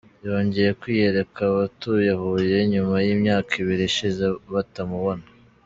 Yongeye kwiyereka abatuye Huye nyuma y’imyaka ibiri ishize batamubona.